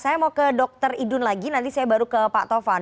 saya mau ke dr idun lagi nanti saya baru ke pak tovan